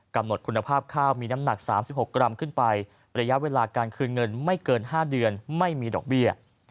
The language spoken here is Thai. กำหนดคุณภาพข้าวมีน้ำหนัก๓๖กรัมขึ้นไประยะเวลาการคืนเงินไม่เกิน๕เดือนไม่มีดอกเบี้ย